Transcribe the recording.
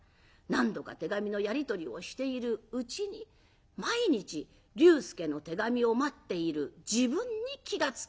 何度か手紙のやり取りをしているうちに毎日龍介の手紙を待っている自分に気が付きました。